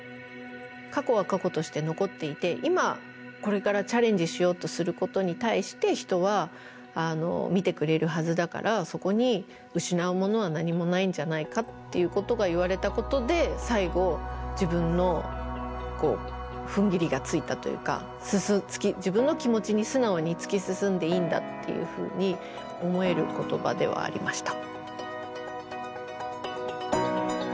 過去は過去として残っていて今これからチャレンジしようとすることに対して人は見てくれるはずだからそこに失うものは何もないんじゃないかっていうことが言われたことで最後自分のふんぎりがついたというか自分の気持ちに素直に突き進んでいいんだっていうふうに思える言葉ではありました。